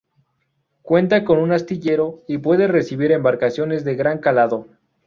Cuenta con astillero y puede recibir embarcaciones de gran calado.